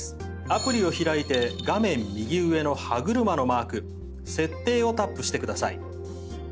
アプリを開いて画面右上の歯車のマーク設定をタップしてください。